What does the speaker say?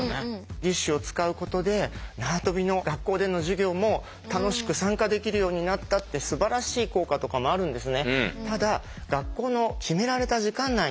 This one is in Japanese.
義手を使うことで縄跳びの学校での授業も楽しく参加できるようになったってすばらしい効果とかもあるんですね。